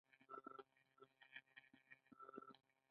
لوگر د افغانستان په ستراتیژیک اهمیت کې رول لري.